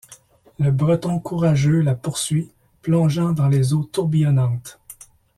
Le Breton courageux la poursuit, plongeant dans les eaux tourbillonnantes.